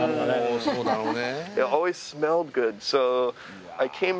そうだろうね。